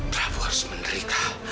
prabu harus menerita